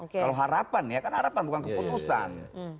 kalau harapan ya kan harapan bukan keputusan